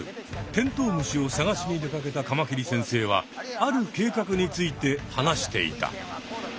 テントウムシを探しに出かけたカマキリ先生はある計画について話していた。